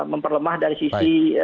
memperlemah dari sisi